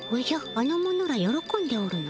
あの者らよろこんでおるの。